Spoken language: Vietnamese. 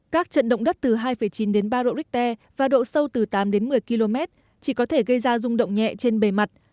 các trận động đất từ hai chín đến ba độ richter và độ sâu từ tám đến một mươi km chỉ có thể gây ra rung động nhẹ trên bề mặt